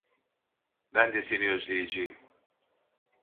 Ben de seni özleyeceğim.